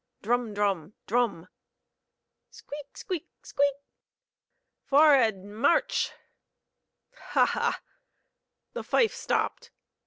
Drum! drum!! drum!!! Squeak! squeak!! squeak!!! "For'ard march!" "Ha! ha!" The fife stopped.